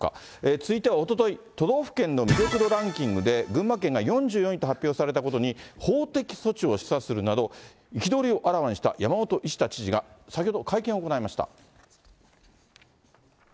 続いてはおととい、都道府県の魅力度ランキングで群馬県が４４位と発表されたことに、法的措置を示唆するなど、憤りをあらわにした山本一太知事が、先ほど会見を行いました。